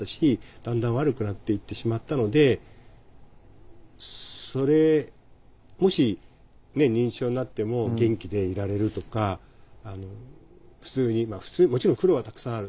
だんだん悪くなっていってしまったのでそれもし認知症になっても元気でいられるとか普通にもちろん苦労はたくさんある。